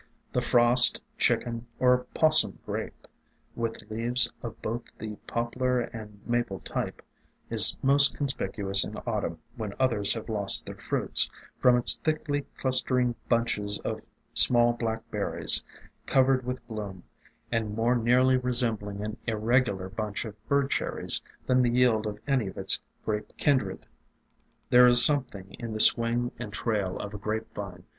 The Frost, Chicken, or 'Possum Grape, with leaves of both the Poplar and Maple type, is most conspicuous in Autumn when others have lost their fruits, from its thickly clustering bunches of small black berries, covered with bloom, and more nearly resembling an irregular bunch of Bird Cherries than the yield of any of its Grape kindred. THE DRAPERY OF VINES 309 There is something in the swing and trail of a Grape vine